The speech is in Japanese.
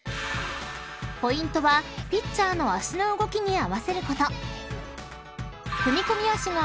［ポイントはピッチャーの脚の動きに合わせること］